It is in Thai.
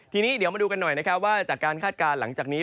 ทีนี้เดี๋ยวมาดูกันหน่อยนะครับว่าจากการคาดการณ์หลังจากนี้